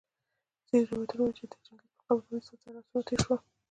ځیني روایتونه وايي چي د چنګیز په قبر باندي لس زره آسونه تېرسول